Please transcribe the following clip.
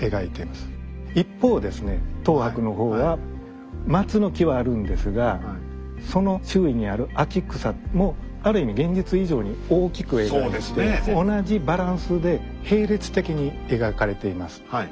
一方ですね等伯の方は松の木はあるんですがその周囲にある秋草もある意味現実以上に大きく描いて同じバランスで並列的に描かれています。